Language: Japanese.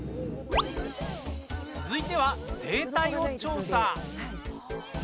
続いては、生態を調査。